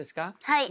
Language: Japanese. はい。